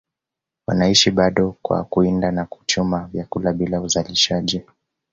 wanaishi bado kwa kuwinda na kuchuma vyakula bila uzalishaji